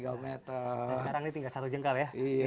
dan sekarang ini tinggal satu jengkal ya